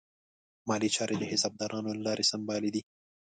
مالي چارې د حسابدارانو له لارې سمبالې دي.